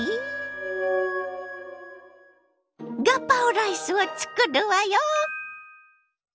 ガパオライスをつくるわよ！